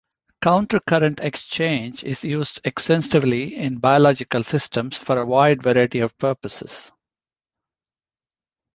Countercurrent exchange is used extensively in biological systems for a wide variety of purposes.